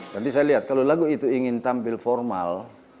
nanti saya lihat kalau lagu itu ingin tampil formal